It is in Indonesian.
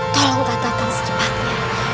tolong katakan secepatnya